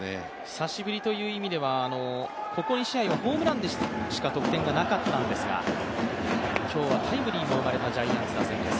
久しぶりという意味ではここ１試合はホームランでしか得点がなかったんですが今日はタイムリーも生まれたジャイアンツ打線です。